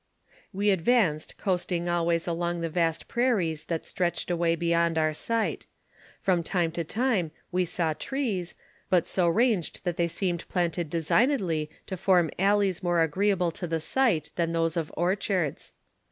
We advanced coasting always along vast prairies that stretched away beyond our sight ; from time to time we saw trees, but so ranged that they seemed planted designedly to form alleys more agreeable to the sight than those of orchards.